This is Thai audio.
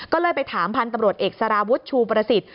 ก็เลยไปถามพันธุ์ตำรวจเอกสารวุฒิชูประสิทธิ์